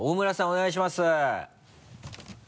お願いします。